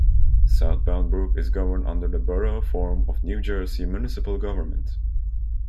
South Bound Brook is governed under the Borough form of New Jersey municipal government.